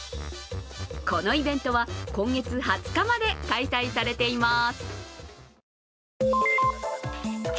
このイベントは今月２０日まで開催されています